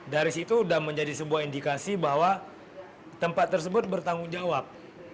dari situ sudah menjadi sebuah indikasi bahwa tempat tersebut bertanggung jawab